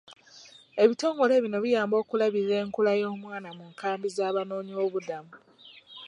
Ebitongole bino biyamba okulabirira enkula y'omwana mu nkaambi z'abanoonyi b'obubuddamu.